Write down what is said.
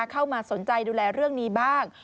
เข้ามาสนใจดูแลเรื่องนี้บ้าง